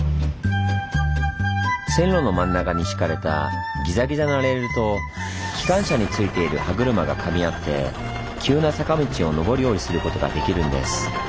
線路の真ん中に敷かれたギザギザなレールと機関車についている歯車がかみ合って急な坂道を上り下りすることができるんです。